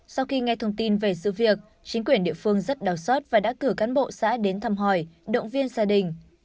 sau khi nghe thông tin về sự việc chính quyền địa phương rất đau xót và đã cử cán bộ xã đến thăm hỏi động viên gia đình